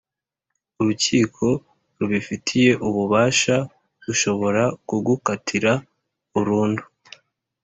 Urukiko rubifitiye ububasha rushobora kugukatira burundu